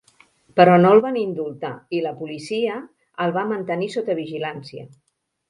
Però no el van indultar, i la policia el va mantenir sota vigilància.